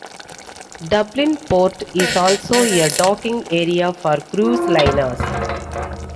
Dublin Port is also a docking area for cruise liners.